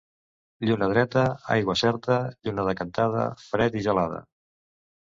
Lluna dreta, aigua certa; lluna decantada, fred i gelada.